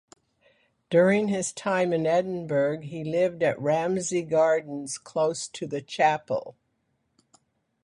During his time in Edinburgh he lived at Ramsay Gardens close to the chapel.